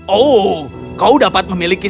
oh kau dapat memiliki